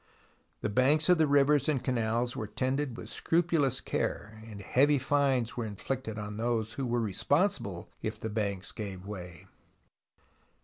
The banks of the rivers and canals were tended with scrupulous care, and heavy fines were inflicted on those who were responsible if the banks gave way.